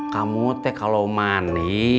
kamu teh kalau mani